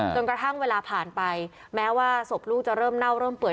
จนกระทั่งเวลาผ่านไปแม้ว่าศพลูกจะเริ่มเน่าเริ่มเปื่อย